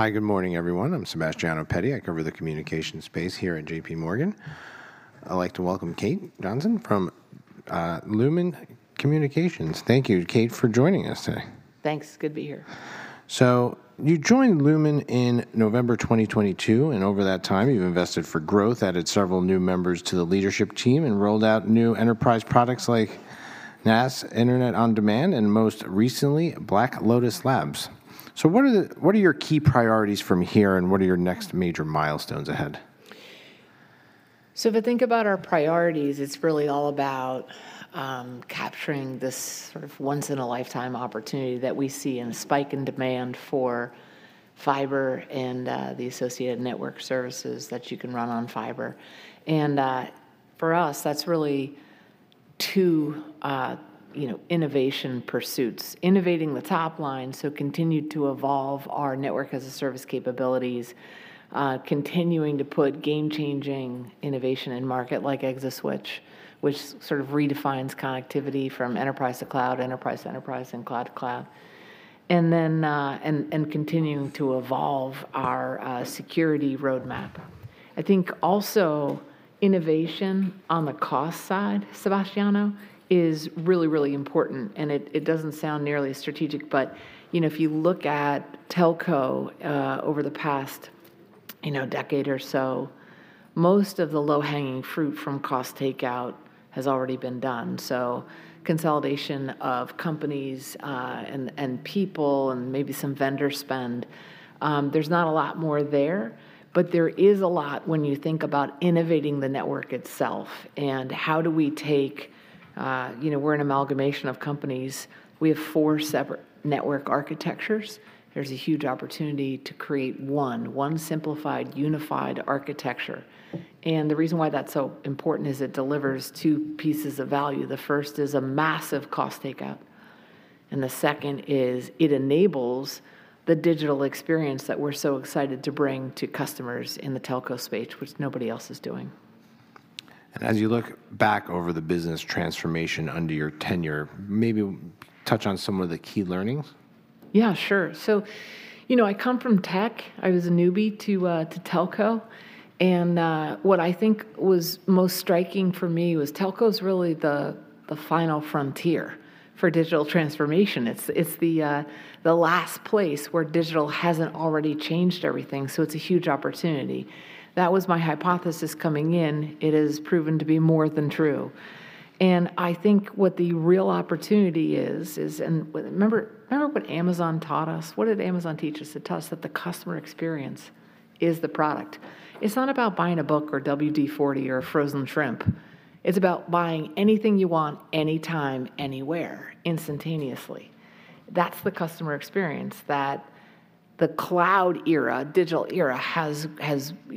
Hi, good morning, everyone. I'm Sebastiano Petti. I cover the Communications Space here at J.P. Morgan. I'd like to welcome Kate Johnson from Lumen Technologies. Thank you, Kate, for joining us today. Thanks. Good to be here. So you joined Lumen in November 2022, and over that time, you've invested for growth, added several new members to the leadership team, and rolled out new enterprise products like NaaS, Internet On-Demand, and most recently, Black Lotus Labs. So what are your key priorities from here, and what are your next major milestones ahead? So if I think about our priorities, it's really all about capturing this sort of once-in-a-lifetime opportunity that we see and a spike in demand for fiber and the associated network services that you can run on fiber. And for us, that's really two, you know, innovation pursuits. Innovating the top line, so continue to evolve our network as a service capabilities, continuing to put game-changing innovation in market, like ExaSwitch, which sort of redefines connectivity from enterprise to cloud, enterprise to enterprise, and cloud to cloud. And then continuing to evolve our security roadmap. I think, also, innovation on the cost side, Sebastiano, is really, really important, and it doesn't sound nearly as strategic but, you know, if you look at telco over the past, you know, decade or so, most of the low-hanging fruit from cost takeout has already been done. So consolidation of companies, and people and maybe some vendor spend, there's not a lot more there, but there is a lot when you think about innovating the network itself. And how do we take... You know, we're an amalgamation of companies. We have four separate network architectures. There's a huge opportunity to create one simplified, unified architecture, and the reason why that's so important is it delivers two pieces of value. The first is a massive cost takeout, and the second is it enables the digital experience that we're so excited to bring to customers in the telco space, which nobody else is doing. As you look back over the business transformation under your tenure, maybe touch on some of the key learnings? Yeah, sure. So, you know, I come from tech. I was a newbie to telco, and what I think was most striking for me was telco's really the final frontier for digital transformation. It's the last place where digital hasn't already changed everything, so it's a huge opportunity. That was my hypothesis coming in. It has proven to be more than true, and I think what the real opportunity is... And remember, remember what Amazon taught us? What did Amazon teach us? It taught us that the customer experience is the product. It's not about buying a book or WD-40 or frozen shrimp. It's about buying anything you want anytime, anywhere, instantaneously. That's the customer experience that the cloud era, digital era, has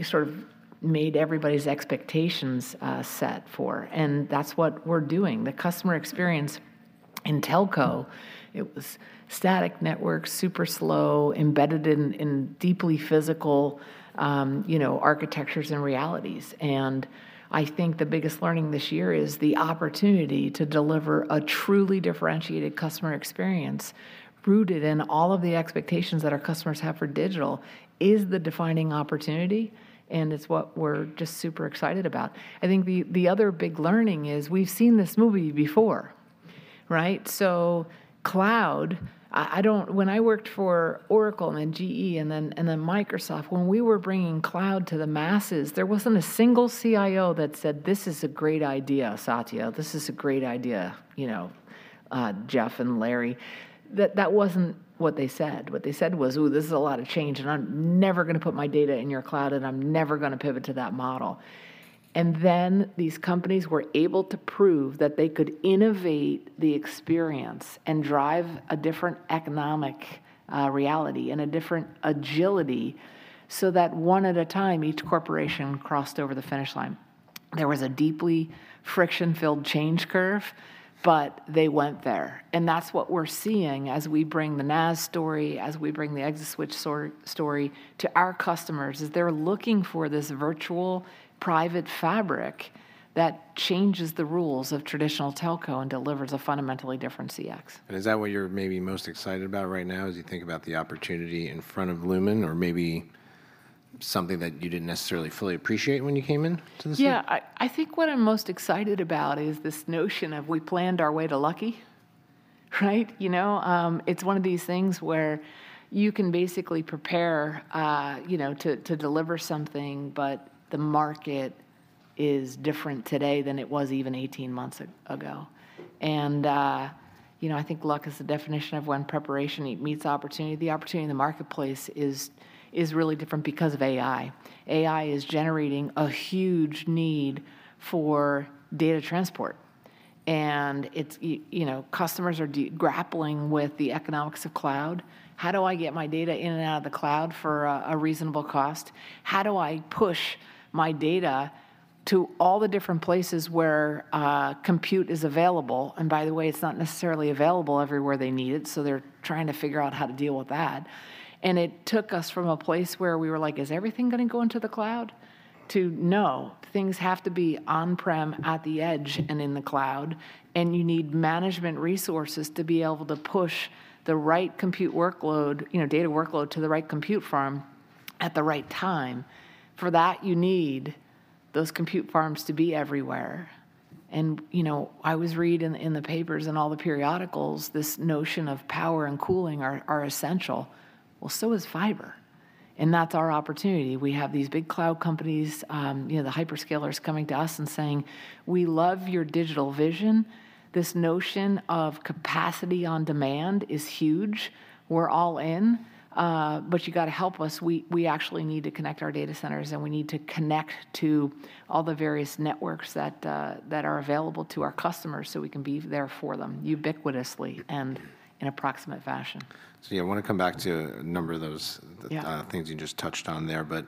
sort of made everybody's expectations set for, and that's what we're doing. The customer experience in telco, it was static networks, super slow, embedded in deeply physical, you know, architectures and realities. And I think the biggest learning this year is the opportunity to deliver a truly differentiated customer experience, rooted in all of the expectations that our customers have for digital, is the defining opportunity, and it's what we're just super excited about. I think the other big learning is, we've seen this movie before, right? So cloud, I don't, when I worked for Oracle and then GE and then Microsoft, when we were bringing cloud to the masses, there wasn't a single CIO that said, "This is a great idea, Satya. This is a great idea, you know, Jeff and Larry." That wasn't what they said. What they said was, "Ooh, this is a lot of change, and I'm never gonna put my data in your cloud, and I'm never gonna pivot to that model." And then, these companies were able to prove that they could innovate the experience and drive a different economic reality and a different agility, so that one at a time, each corporation crossed over the finish line. There was a deeply friction-filled change curve, but they went there, and that's what we're seeing as we bring the NaaS story, as we bring the ExaSwitch story to our customers, is they're looking for this virtual private fabric that changes the rules of traditional telco and delivers a fundamentally different CX. Is that what you're maybe most excited about right now as you think about the opportunity in front of Lumen or maybe something that you didn't necessarily fully appreciate when you came in to this role? Yeah. I think what I'm most excited about is this notion of we planned our way to lucky, right? You know, it's one of these things where you can basically prepare, you know, to deliver something, but the market is different today than it was even 18 months ago. And, you know, I think luck is the definition of when preparation meets opportunity. The opportunity in the marketplace is really different because of AI. AI is generating a huge need for data transport, and it's, you know, customers are grappling with the economics of cloud. How do I get my data in and out of the cloud for a reasonable cost? How do I push my data to all the different places where compute is available? By the way, it's not necessarily available everywhere they need it, so they're trying to figure out how to deal with that. It took us from a place where we were like, "Is everything gonna go into the cloud?" to, "No, things have to be on-prem, at the edge, and in the cloud," and you need management resources to be able to push the right compute workload, you know, data workload to the right compute farm at the right time. For that, you need those compute farms to be everywhere. You know, I always read in the papers and all the periodicals, this notion of power and cooling are essential. Well, so is fiber, and that's our opportunity. We have these big cloud companies, you know, the hyperscalers coming to us and saying, "We love your digital vision. This notion of capacity on demand is huge. We're all in, but you gotta help us. We actually need to connect our data centers, and we need to connect to all the various networks that are available to our customers, so we can be there for them ubiquitously and in approximate fashion. So yeah, I wanna come back to a number of those- Yeah... things you just touched on there. But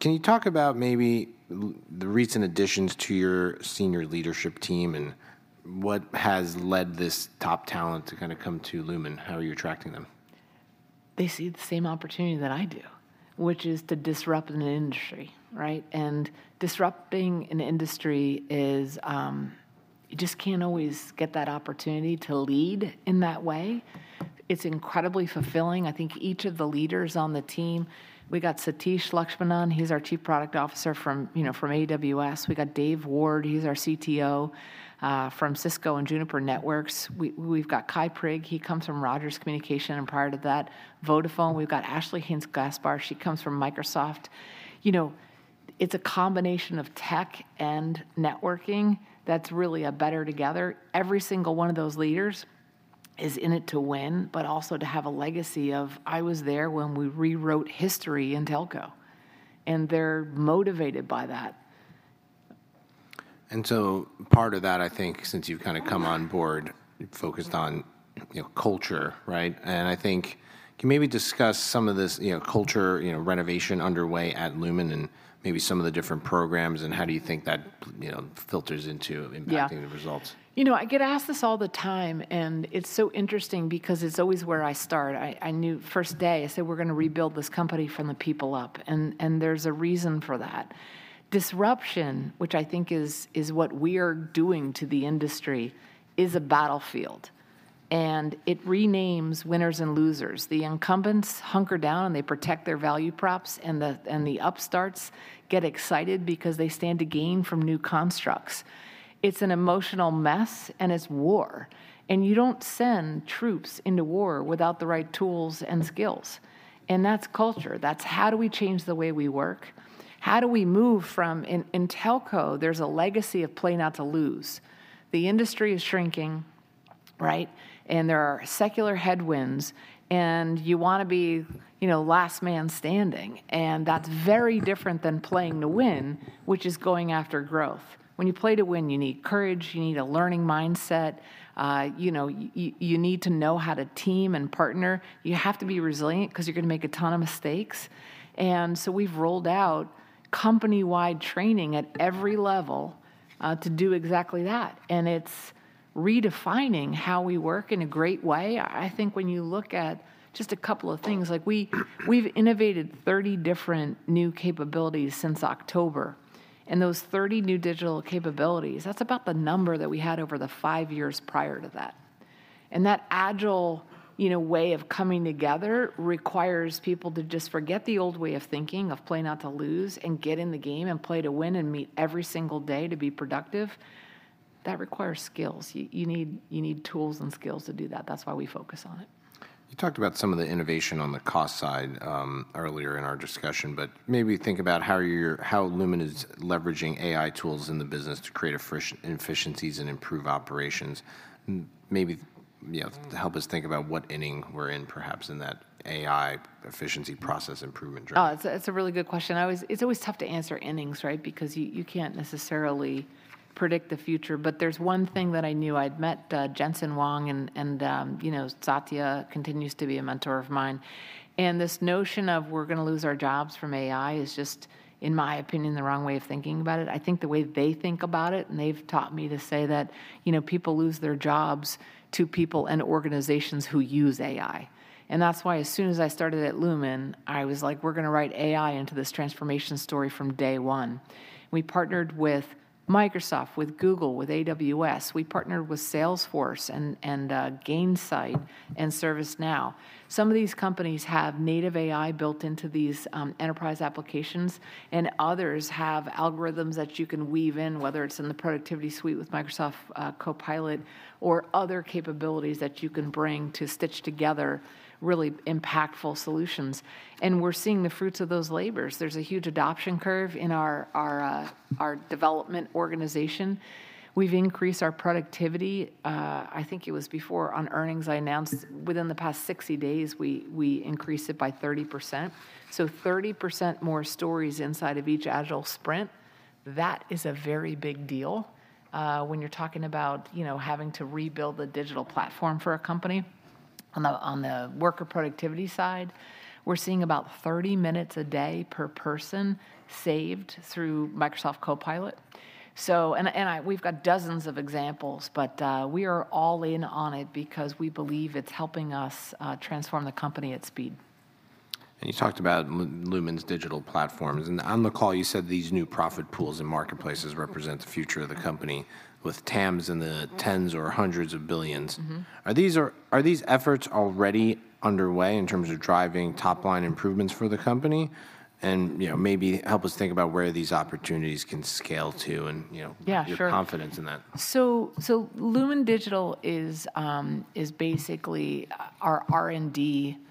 can you talk about maybe the recent additions to your senior leadership team, and what has led this top talent to kinda come to Lumen? How are you attracting them? They see the same opportunity that I do, which is to disrupt an industry, right? And disrupting an industry is... You just can't always get that opportunity to lead in that way. It's incredibly fulfilling. I think each of the leaders on the team. We got Satish Lakshmanan, he's our Chief Product Officer from, you know, from AWS. We got Dave Ward, he's our CTO, from Cisco and Juniper Networks. We, we've got Kai Prigg, he comes from Rogers Communications, and prior to that, Vodafone. We've got Ashley Haynes-Gaspar, she comes from Microsoft. You know, it's a combination of tech and networking that's really a better together. Every single one of those leaders is in it to win, but also to have a legacy of, "I was there when we rewrote history in telco," and they're motivated by that. And so part of that, I think, since you've kinda come on board, focused on, you know, culture, right? And I think, can you maybe discuss some of this, you know, culture, you know, renovation underway at Lumen, and maybe some of the different programs, and how do you think that, you know, filters into- Yeah... impacting the results? You know, I get asked this all the time, and it's so interesting because it's always where I start. I, I knew, first day, I said, "We're gonna rebuild this company from the people up," and, and there's a reason for that. Disruption, which I think is, is what we are doing to the industry, is a battlefield, and it renames winners and losers. The incumbents hunker down, and they protect their value props, and the, and the upstarts get excited because they stand to gain from new constructs. It's an emotional mess, and it's war, and you don't send troops into war without the right tools and skills, and that's culture. That's how do we change the way we work? How do we move from... In, in telco, there's a legacy of play not to lose. The industry is shrinking, right? There are secular headwinds, and you wanna be, you know, last man standing, and that's very different than playing to win, which is going after growth. When you play to win, you need courage, you need a learning mindset. You know, you need to know how to team and partner. You have to be resilient, 'cause you're gonna make a ton of mistakes. And so we've rolled out company-wide training at every level, to do exactly that, and it's redefining how we work in a great way. I think when you look at just a couple of things, like we, we've innovated 30 different new capabilities since October, and those 30 new digital capabilities, that's about the number that we had over the five years prior to that. That agile, you know, way of coming together requires people to just forget the old way of thinking, of play not to lose, and get in the game and play to win and meet every single day to be productive. That requires skills. You need, you need tools and skills to do that. That's why we focus on it. You talked about some of the innovation on the cost side earlier in our discussion, but maybe think about how you're, how Lumen is leveraging AI tools in the business to create efficiencies and improve operations. Maybe, you know, help us think about what inning we're in, perhaps, in that AI efficiency process improvement journey. Oh, it's a really good question. Always, it's always tough answering, right? Because you can't necessarily predict the future. But there's one thing that I knew. I'd met Jensen Huang, and you know, Satya continues to be a mentor of mine, and this notion of we're gonna lose our jobs from AI is just, in my opinion, the wrong way of thinking about it. I think the way they think about it, and they've taught me to say that, you know, people lose their jobs to people and organizations who use AI. And that's why as soon as I started at Lumen, I was like, "We're gonna write AI into this transformation story from day one." We partnered with Microsoft, with Google, with AWS. We partnered with Salesforce, and Gainsight and ServiceNow. Some of these companies have native AI built into these enterprise applications, and others have algorithms that you can weave in, whether it's in the productivity suite with Microsoft Copilot or other capabilities that you can bring to stitch together really impactful solutions, and we're seeing the fruits of those labors. There's a huge adoption curve in our development organization. We've increased our productivity. I think it was before on earnings, I announced within the past 60 days, we increased it by 30%, so 30% more stories inside of each agile sprint. That is a very big deal when you're talking about, you know, having to rebuild the digital platform for a company. On the worker productivity side, we're seeing about 30 minutes a day per person saved through Microsoft Copilot, so... And we've got dozens of examples, but we are all in on it, because we believe it's helping us transform the company at speed.... You talked about Lumen's digital platforms, and on the call you said these new profit pools and marketplaces represent the future of the company, with TAMs in the tens or hundreds of billions. Mm-hmm. Are these efforts already underway in terms of driving top-line improvements for the company? And, you know, maybe help us think about where these opportunities can scale to and, you know- Yeah, sure. Your confidence in that. So Lumen Digital is basically our R&D arm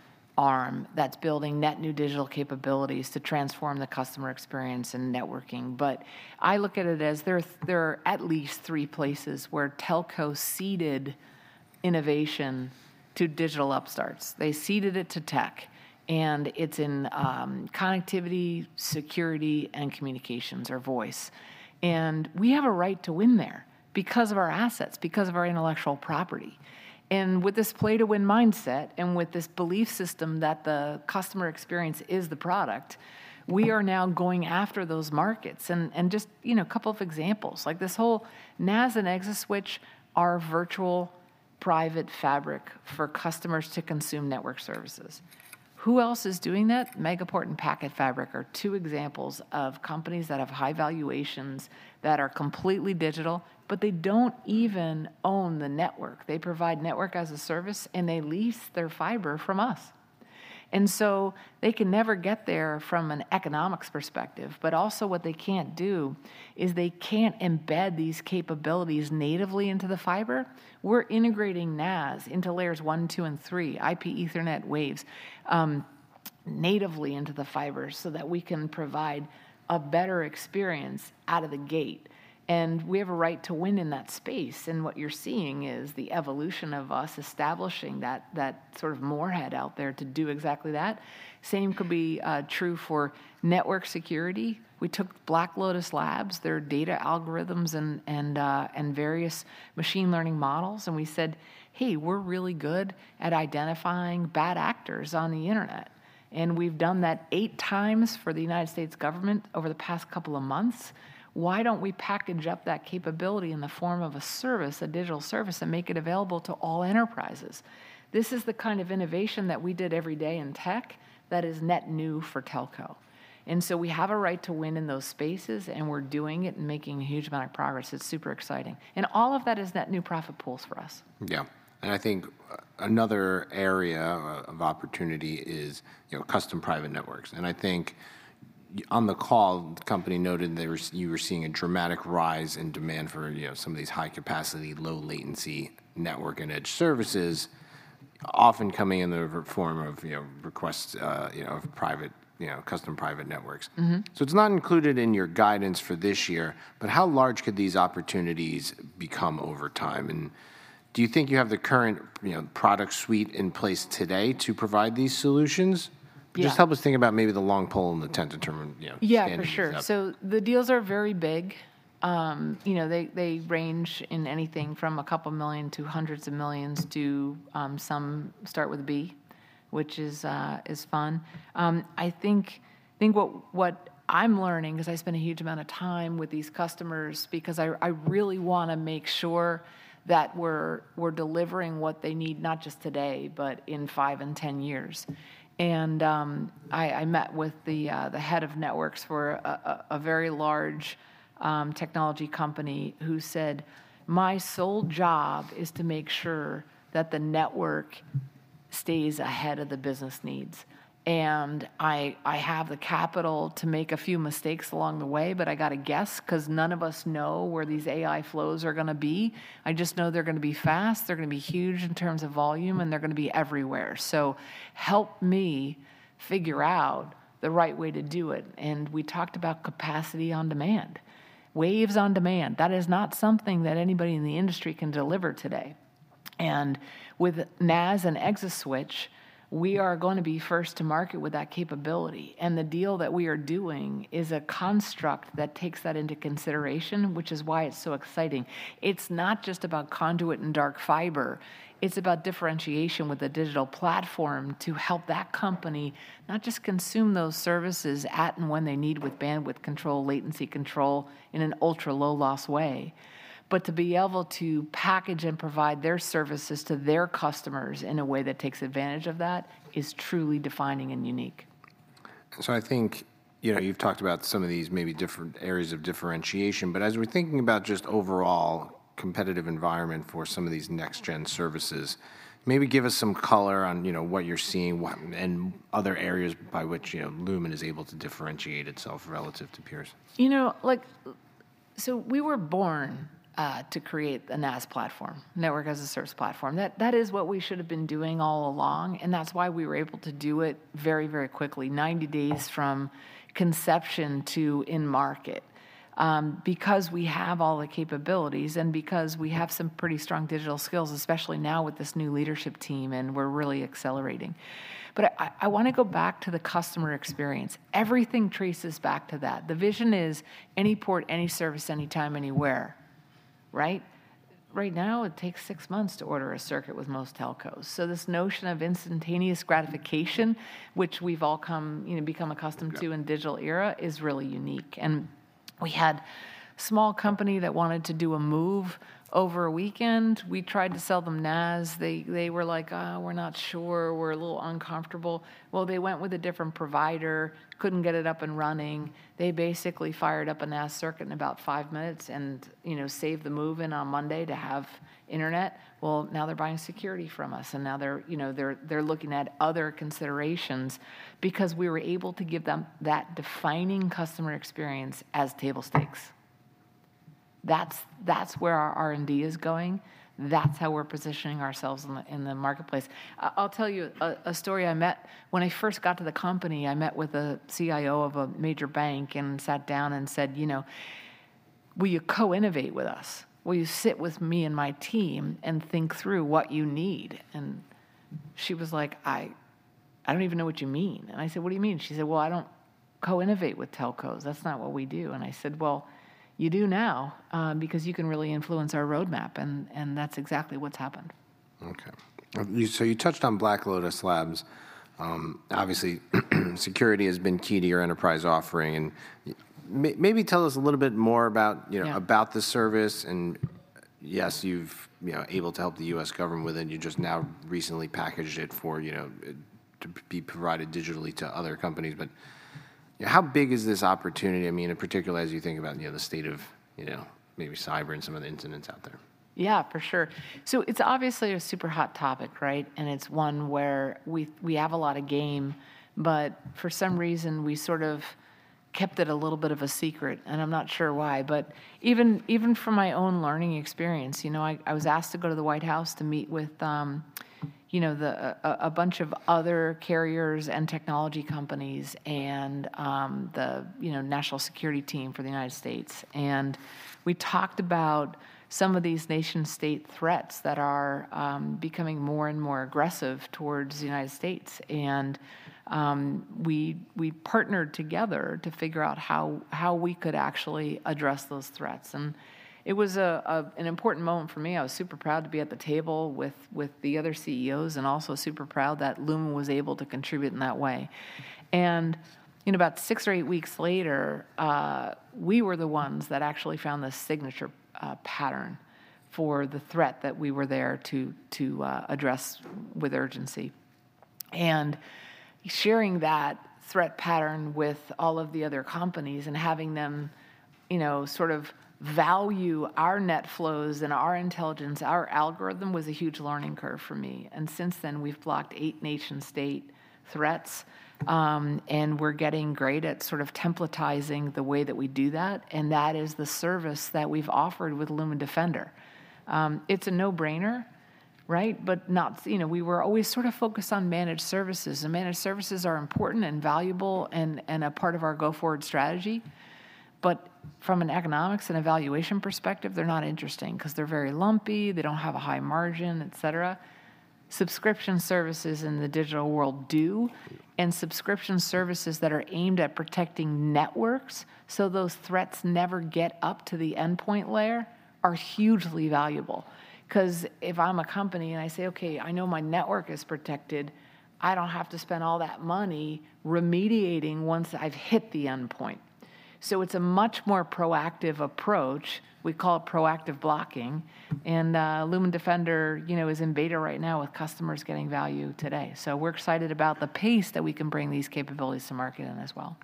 that's building net new digital capabilities to transform the customer experience in networking. But I look at it as there are at least three places where telco ceded innovation to digital upstarts. They ceded it to tech, and it's in connectivity, security, and communications or voice. And we have a right to win there because of our assets, because of our intellectual property. And with this play-to-win mindset, and with this belief system that the customer experience is the product, we are now going after those markets. And just, you know, a couple of examples, like this whole NaaS and ExaSwitch are virtual private fabric for customers to consume network services. Who else is doing that? Megaport and PacketFabric are two examples of companies that have high valuations, that are completely digital, but they don't even own the network. They provide network as a service, and they lease their fiber from us. And so they can never get there from an economics perspective, but also what they can't do is they can't embed these capabilities natively into the fiber. We're integrating NaaS into layers one, two, and three, IP, Ethernet, waves, natively into the fiber so that we can provide a better experience out of the gate, and we have a right to win in that space. And what you're seeing is the evolution of us establishing that, that sort of moat out there to do exactly that. Same could be true for network security. We took Black Lotus Labs, their data algorithms and various machine learning models, and we said, "Hey, we're really good at identifying bad actors on the internet, and we've done that eight times for the United States government over the past couple of months. Why don't we package up that capability in the form of a service, a digital service, and make it available to all enterprises?" This is the kind of innovation that we did every day in tech that is net new for telco. And so we have a right to win in those spaces, and we're doing it and making a huge amount of progress. It's super exciting, and all of that is net new profit pools for us. Yeah, and I think another area of opportunity is, you know, custom private networks. And I think on the call, the company noted you were seeing a dramatic rise in demand for, you know, some of these high-capacity, low-latency network and edge services, often coming in the form of, you know, requests, you know, for private... You know, custom private networks. Mm-hmm. So it's not included in your guidance for this year, but how large could these opportunities become over time? And do you think you have the current, you know, product suite in place today to provide these solutions? Yeah. Just help us think about maybe the long pole in the tent to determine, you know- Yeah, for sure. Yeah. So the deals are very big. You know, they range in anything from $2 million to hundreds of millions to some start with $1 billion, which is fun. I think what I'm learning, because I spend a huge amount of time with these customers because I really want to make sure that we're delivering what they need, not just today, but in 5 and 10 years. And I met with the head of networks for a very large technology company who said, "My sole job is to make sure that the network stays ahead of the business needs. And I have the capital to make a few mistakes along the way, but I got to guess, 'cause none of us know where these AI flows are gonna be. I just know they're gonna be fast, they're gonna be huge in terms of volume, and they're gonna be everywhere. So help me figure out the right way to do it." And we talked about capacity on demand, waves on demand. That is not something that anybody in the industry can deliver today. And with NaaS and ExaSwitch, we are going to be first to market with that capability, and the deal that we are doing is a construct that takes that into consideration, which is why it's so exciting. It's not just about conduit and dark fiber, it's about differentiation with a digital platform to help that company not just consume those services at and when they need with bandwidth control, latency control, in an ultra-low loss way, but to be able to package and provide their services to their customers in a way that takes advantage of that is truly defining and unique. So I think, you know, you've talked about some of these maybe different areas of differentiation, but as we're thinking about just overall competitive environment for some of these next gen services, maybe give us some color on, you know, what you're seeing, and other areas by which, you know, Lumen is able to differentiate itself relative to peers. You know, like, so we were born to create a NaaS platform, Network as a Service platform. That, that is what we should have been doing all along, and that's why we were able to do it very, very quickly, 90 days from conception to in-market. Because we have all the capabilities and because we have some pretty strong digital skills, especially now with this new leadership team, and we're really accelerating. But I, I want to go back to the customer experience. Everything traces back to that. The vision is any port, any service, anytime, anywhere, right? Right now, it takes six months to order a circuit with most telcos. So this notion of instantaneous gratification, which we've all come, you know, become accustomed to- Yeah... in the digital era, is really unique. And we had a small company that wanted to do a move over a weekend. We tried to sell them NaaS. They, they were like, "We're not sure. We're a little uncomfortable." Well, they went with a different provider, couldn't get it up and running. They basically fired up a NaaS circuit in about five minutes and, you know, saved the move-in on Monday to have internet. Well, now they're buying security from us, and now they're, you know, they're, they're looking at other considerations because we were able to give them that defining customer experience as table stakes. That's, that's where our R&D is going. That's how we're positioning ourselves in the, in the marketplace. I'll tell you a, a story. I met... When I first got to the company, I met with a CIO of a major bank and sat down and said, "You know, will you co-innovate with us? Will you sit with me and my team and think through what you need?" And she was like, "I don't even know what you mean." And I said, "What do you mean?" She said, "Well, I don't co-innovate with telcos. That's not what we do." And I said, "Well, you do now, because you can really influence our roadmap," and that's exactly what's happened. Okay. So you touched on Black Lotus Labs. Obviously, security has been key to your enterprise offering. And maybe tell us a little bit more about, you know- Yeah... about the service, and yes, you've, you know, able to help the U.S. government with it, and you just now recently packaged it for, you know, it to be provided digitally to other companies. But, how big is this opportunity? I mean, in particular, as you think about, you know, the state of, you know, maybe cyber and some of the incidents out there. Yeah, for sure. So it's obviously a super hot topic, right? And it's one where we have a lot of game, but for some reason, we sort of kept it a little bit of a secret, and I'm not sure why. But even from my own learning experience, you know, I was asked to go to the White House to meet with, you know, a bunch of other carriers and technology companies and the national security team for the United States. And we talked about some of these nation-state threats that are becoming more and more aggressive towards the United States, and we partnered together to figure out how we could actually address those threats. And it was an important moment for me. I was super proud to be at the table with, with the other CEOs, and also super proud that Lumen was able to contribute in that way. And, you know, about 6 or 8 weeks later, we were the ones that actually found the signature, pattern for the threat that we were there to, to, address with urgency. And sharing that threat pattern with all of the other companies and having them, you know, sort of value our net flows and our intelligence, our algorithm, was a huge learning curve for me. And since then, we've blocked 8 nation-state threats, and we're getting great at sort of templatizing the way that we do that, and that is the service that we've offered with Lumen Defender. It's a no-brainer, right? But not... You know, we were always sort of focused on managed services, and managed services are important, and valuable, and, and a part of our go-forward strategy. But from an economics and evaluation perspective, they're not interesting, 'cause they're very lumpy, they don't have a high margin, et cetera. Subscription services in the digital world do- Yeah... and subscription services that are aimed at protecting networks, so those threats never get up to the endpoint layer, are hugely valuable. 'Cause if I'm a company and I say, "Okay, I know my network is protected," I don't have to spend all that money remediating once I've hit the endpoint. So it's a much more proactive approach. We call it proactive blocking, and Lumen Defender, you know, is in beta right now with customers getting value today. So we're excited about the pace that we can bring these capabilities to market as well.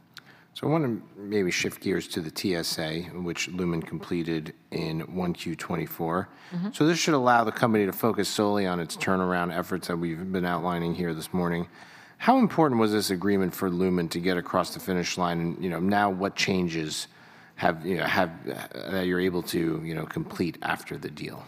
I want to maybe shift gears to the TSA, which Lumen completed in 1Q2024. Mm-hmm. So this should allow the company to focus solely on its turnaround efforts that we've been outlining here this morning. How important was this agreement for Lumen to get across the finish line? And, you know, now what changes have, you know, that you're able to, you know, complete after the deal?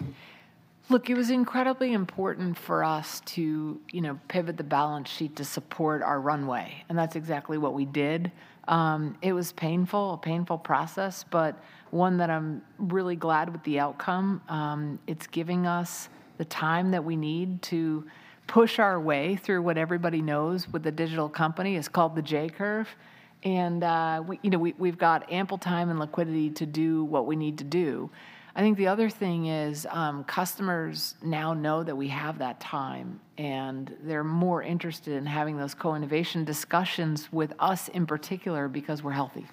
Look, it was incredibly important for us to, you know, pivot the balance sheet to support our runway, and that's exactly what we did. It was painful, a painful process, but one that I'm really glad with the outcome. It's giving us the time that we need to push our way through what everybody knows with a digital company is called the J-curve. And, you know, we've got ample time and liquidity to do what we need to do. I think the other thing is, customers now know that we have that time, and they're more interested in having those co-innovation discussions with us in particular because we're healthy.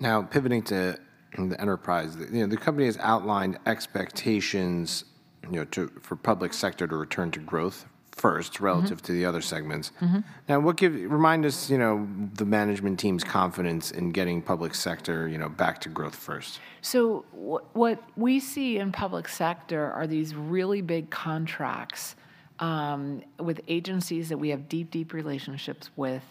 Now, pivoting to the enterprise, you know, the company has outlined expectations, you know, for public sector to return to growth first- Mm-hmm... relative to the other segments. Mm-hmm. Now, what gives? Remind us, you know, the management team's confidence in getting public sector, you know, back to growth first. So what we see in public sector are these really big contracts with agencies that we have deep, deep relationships with,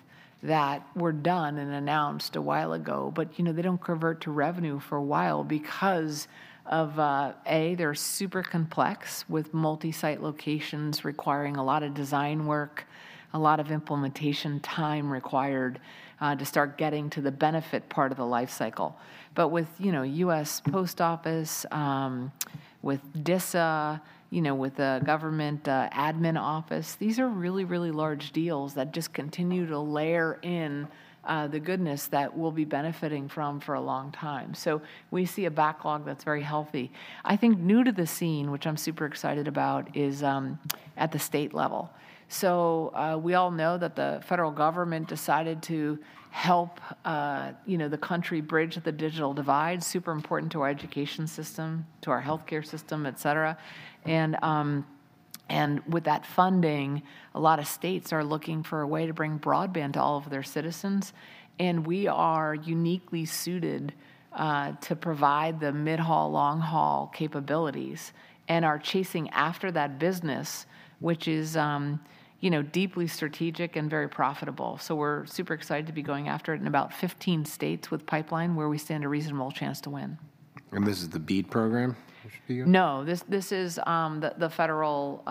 that were done and announced a while ago. But, you know, they don't convert to revenue for a while because of, A, they're super complex, with multi-site locations requiring a lot of design work, a lot of implementation time required to start getting to the benefit part of the life cycle. But with, you know, US Post Office, with DISA, you know, with the government admin office, these are really, really large deals that just continue to layer in the goodness that we'll be benefiting from for a long time. So we see a backlog that's very healthy. I think new to the scene, which I'm super excited about, is at the state level. So, we all know that the federal government decided to help, you know, the country bridge the digital divide, super important to our education system, to our healthcare system, et cetera. And with that funding, a lot of states are looking for a way to bring broadband to all of their citizens, and we are uniquely suited to provide the mid-haul, long-haul capabilities, and are chasing after that business, which is, you know, deeply strategic and very profitable. So we're super excited to be going after it in about 15 states with pipeline, where we stand a reasonable chance to win. This is the BEAD program, which you're- No, this is the federal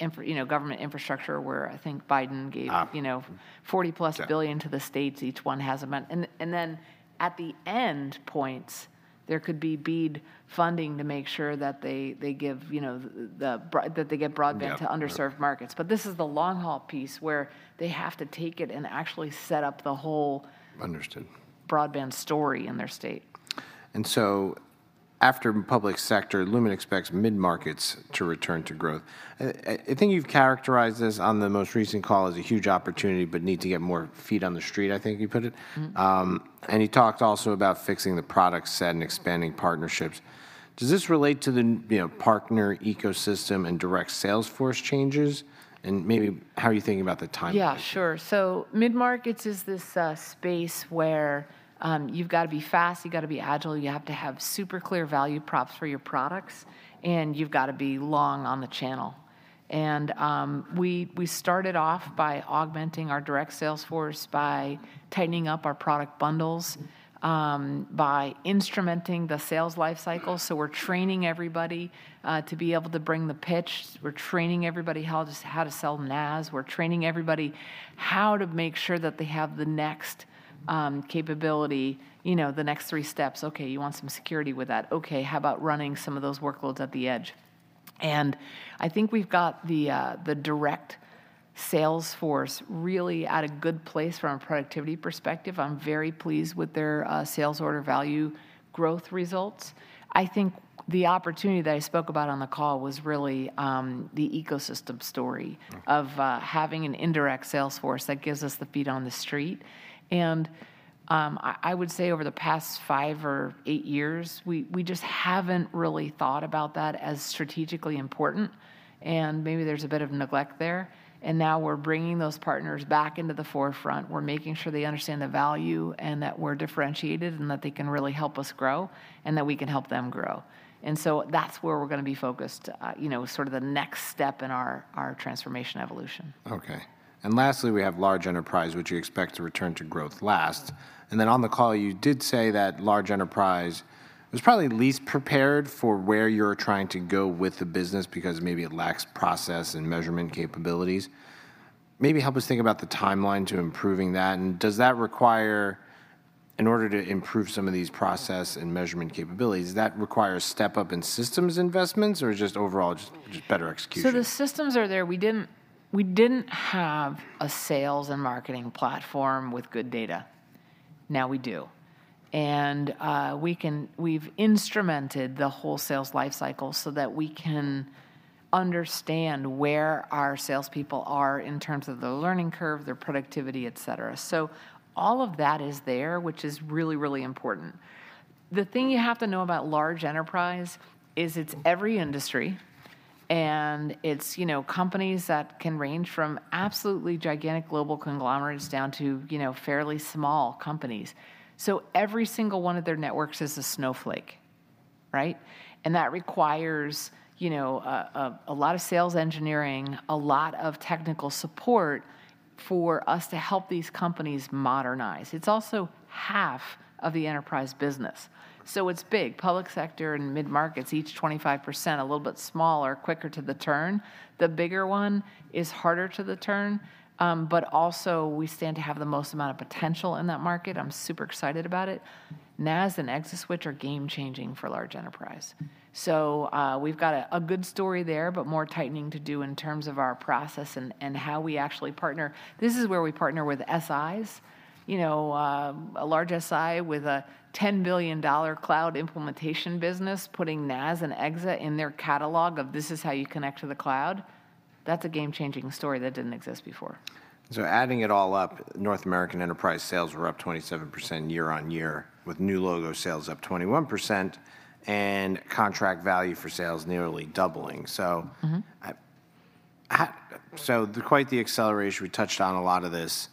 infrastructure, you know, government infrastructure, where I think Biden gave- Ah... you know, $40+ billion- Yeah... to the states. Each one has an amount. And then, at the end points, there could be BEAD funding to make sure that they give, you know, that they get broadband- Yeah, yeah... to underserved markets. But this is the long-haul piece, where they have to take it and actually set up the whole- Understood... broadband story in their state. And so after public sector, Lumen expects mid-markets to return to growth. I think you've characterized this on the most recent call as a huge opportunity, but need to get more feet on the street, I think you put it. Mm-hmm. You talked also about fixing the product set and expanding partnerships. Does this relate to the, you know, partner ecosystem and direct sales force changes? Maybe how are you thinking about the timing? Yeah, sure. So mid-markets is this space where you've got to be fast, you've got to be agile, you have to have super clear value props for your products, and you've got to be long on the channel. And we started off by augmenting our direct sales force by tightening up our product bundles by instrumenting the sales life cycle. So we're training everybody to be able to bring the pitch, we're training everybody how to sell NaaS, we're training everybody how to make sure that they have the next capability, you know, the next three steps. "Okay, you want some security with that? Okay, how about running some of those workloads at the edge?" And I think we've got the direct sales force really at a good place from a productivity perspective. I'm very pleased with their sales order value growth results. I think the opportunity that I spoke about on the call was really the ecosystem story- Mm... of having an indirect sales force that gives us the feet on the street. And I would say over the past five or eight years, we just haven't really thought about that as strategically important, and maybe there's a bit of neglect there. And now we're bringing those partners back into the forefront. We're making sure they understand the value, and that we're differentiated, and that they can really help us grow, and that we can help them grow. And so that's where we're going to be focused, you know, sort of the next step in our transformation evolution. Okay. And lastly, we have large enterprise, which you expect to return to growth last. And then on the call, you did say that large enterprise was probably least prepared for where you're trying to go with the business, because maybe it lacks process and measurement capabilities. Maybe help us think about the timeline to improving that, and does that require... In order to improve some of these process and measurement capabilities, does that require a step up in systems investments or just overall just, just better execution? So the systems are there. We didn't have a sales and marketing platform with good data. Now, we do. And we've instrumented the whole sales life cycle so that we can understand where our salespeople are in terms of their learning curve, their productivity, et cetera. So all of that is there, which is really, really important. The thing you have to know about large enterprise is it's every industry, and it's, you know, companies that can range from absolutely gigantic global conglomerates down to, you know, fairly small companies. So every single one of their networks is a snowflake, right? And that requires, you know, a lot of sales engineering, a lot of technical support for us to help these companies modernize. It's also half of the enterprise business, so it's big. Public sector and mid-markets, each 25%, a little bit smaller, quicker to the turn. The bigger one is harder to the turn, but also we stand to have the most amount of potential in that market. I'm super excited about it. NaaS and ExaSwitch are game-changing for large enterprise. So, we've got a good story there, but more tightening to do in terms of our process and how we actually partner. This is where we partner with SIs. You know, a large SI with a $10 billion cloud implementation business, putting NaaS and ExaSwitch in their catalog of, "This is how you connect to the cloud," that's a game-changing story that didn't exist before. So adding it all up, North American enterprise sales were up 27% year-on-year, with new logo sales up 21%, and contract value for sales nearly doubling. So- Mm-hmm... so there's quite the acceleration, we touched on a lot of this.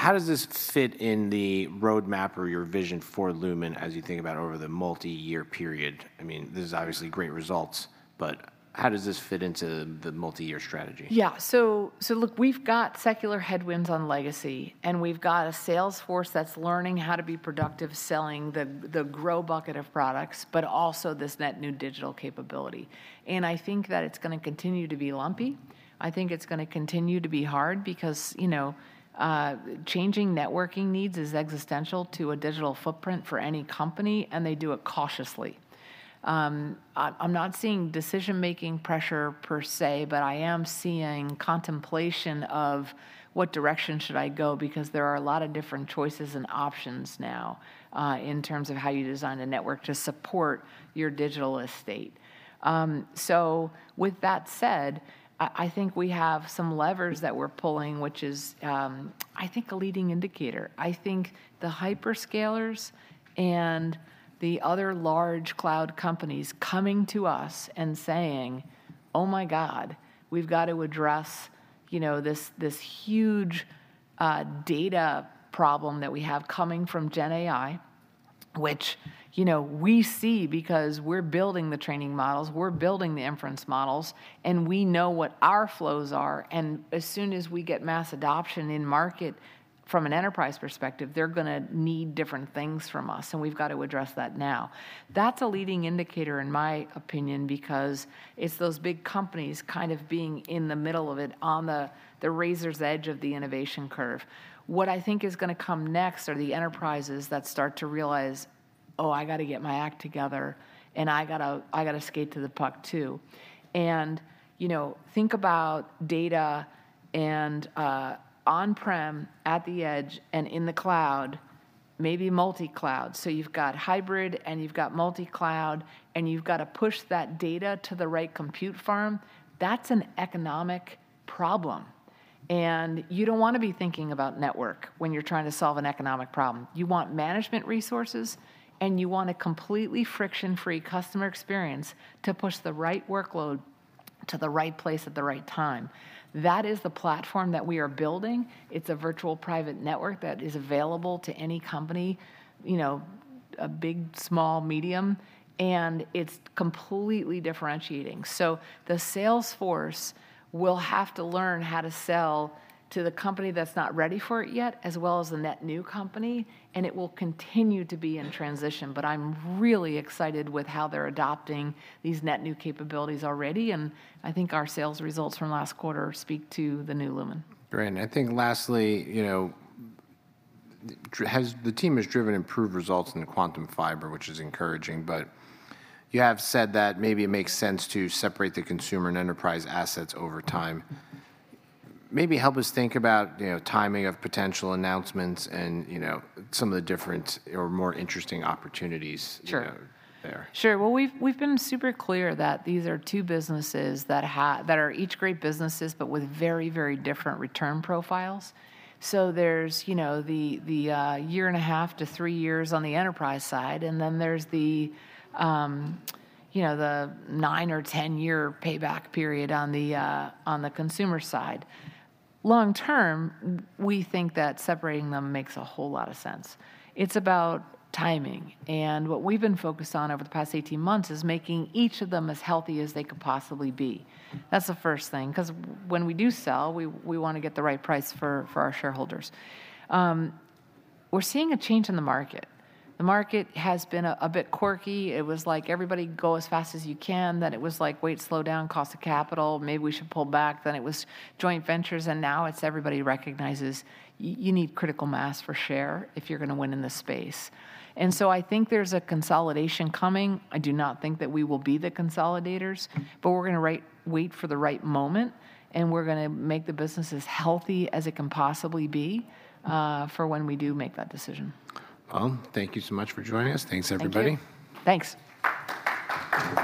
How does this fit in the roadmap or your vision for Lumen as you think about over the multi-year period? I mean, this is obviously great results, but how does this fit into the multi-year strategy? Yeah, so, so look, we've got secular headwinds on legacy, and we've got a sales force that's learning how to be productive, selling the, the grow bucket of products, but also this net new digital capability, and I think that it's going to continue to be lumpy. I think it's going to continue to be hard because, you know, changing networking needs is existential to a digital footprint for any company, and they do it cautiously. I, I'm not seeing decision-making pressure per se, but I am seeing contemplation of: What direction should I go? Because there are a lot of different choices and options now, in terms of how you design a network to support your digital estate. So with that said, I, I think we have some levers that we're pulling, which is, I think a leading indicator. I think the hyperscalers and the other large cloud companies coming to us and saying, "Oh, my God, we've got to address, you know, this huge data problem that we have coming from Gen AI, which, you know, we see because we're building the training models, we're building the inference models, and we know what our flows are, and as soon as we get mass adoption in market from an enterprise perspective, they're gonna need different things from us, and we've got to address that now. That's a leading indicator, in my opinion, because it's those big companies kind of being in the middle of it, on the razor's edge of the innovation curve. What I think is gonna come next are the enterprises that start to realize, "Oh, I gotta get my act together, and I gotta, I gotta skate to the puck, too." And, you know, think about data and, on-prem, at the edge, and in the cloud, maybe multi-cloud. So you've got hybrid, and you've got multi-cloud, and you've gotta push that data to the right compute farm. That's an economic problem, and you don't wanna be thinking about network when you're trying to solve an economic problem. You want management resources, and you want a completely friction-free customer experience to push the right workload to the right place at the right time. That is the platform that we are building. It's a virtual private network that is available to any company, you know, a big, small, medium, and it's completely differentiating. So the sales force will have to learn how to sell to the company that's not ready for it yet, as well as the net new company, and it will continue to be in transition. But I'm really excited with how they're adopting these net new capabilities already, and I think our sales results from last quarter speak to the new Lumen. Great, and I think lastly, you know, the team has driven improved results in the Quantum Fiber, which is encouraging. But you have said that maybe it makes sense to separate the consumer and enterprise assets over time. Maybe help us think about, you know, timing of potential announcements and, you know, some of the different or more interesting opportunities- Sure... there. Sure. Well, we've been super clear that these are two businesses that are each great businesses, but with very, very different return profiles. So there's, you know, the year and a half to three years on the enterprise side, and then there's the, you know, the nine or 10-year payback period on the consumer side. Long term, we think that separating them makes a whole lot of sense. It's about timing, and what we've been focused on over the past 18 months is making each of them as healthy as they could possibly be. That's the first thing, 'cause when we do sell, we wanna get the right price for our shareholders. We're seeing a change in the market. The market has been a bit quirky. It was like, "Everybody go as fast as you can." Then it was like, "Wait, slow down. Cost of capital. Maybe we should pull back." Then it was joint ventures, and now it's everybody recognizes you need critical mass for share if you're gonna win in this space. And so I think there's a consolidation coming. I do not think that we will be the consolidators, but we're gonna wait for the right moment, and we're gonna make the business as healthy as it can possibly be, for when we do make that decision. Well, thank you so much for joining us. Thanks, everybody. Thank you. Thanks.